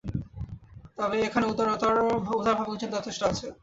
তবে এখানে উদারভাব এবং চিন্তাও যথেষ্ট আছে।